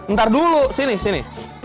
ntar dulu sini sini